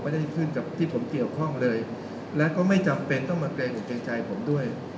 ได้ขึ้นกับที่ผมเกี่ยวข้องเลยและก็ไม่จำเป็นต้องมาเกรงอกเกรงใจผมด้วย